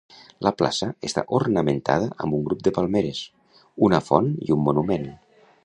La plaça està ornamentada amb un grup de palmeres, una font i un monument.